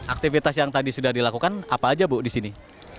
aktivitas yang tadi sudah dilakukan apa aja bu di sini